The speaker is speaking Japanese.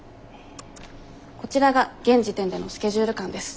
こちらが現時点でのスケジュール感です。